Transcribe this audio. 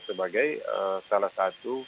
sebagai salah satu